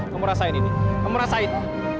kamu rasain ini kamu rasain